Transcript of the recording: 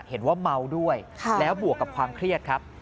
เห็นว่าเมาด้วยแล้วบวกกับความเครียดครับ